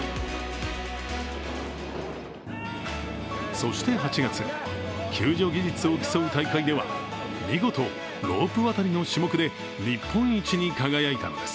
そして８月、救助技術を競う大会では見事、ロープ渡りの種目で日本一に輝いたのです。